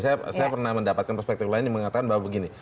saya pernah mendapatkan perspektif lainnya mengatakan bahwa begini